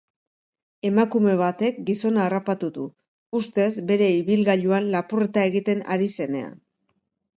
Emakume batek gizona harrapatu du, ustez bere ibilgailuan lapurreta egiten ari zenean.